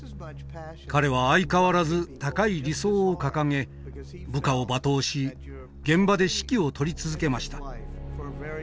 彼は相変わらず高い理想を掲げ部下を罵倒し現場で指揮を執り続けました。